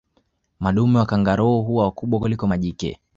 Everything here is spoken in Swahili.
Madume wa kangaroo huwa wakubwa kuliko majike